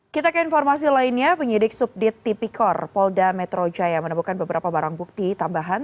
kita ke informasi lainnya penyidik subdit tipikor polda metro jaya menemukan beberapa barang bukti tambahan